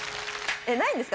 ないんですか？